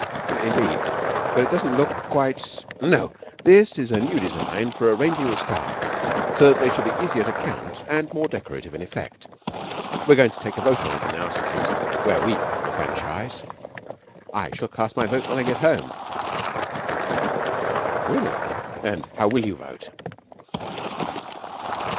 'Indeed. But it doesn't look quite ' 'No. This is a new design for arranging the stars so that they shall be easier to count and more decorative in effect. We're going to take a vote on it in our State, where we have the franchise. I shall cast my vote when I get home.' 'Really! And how will you vote?'